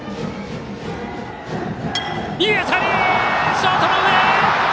ショートの上！